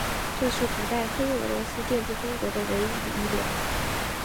这是古代黑俄罗斯建筑风格的唯一遗留。